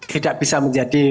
tidak bisa menjadi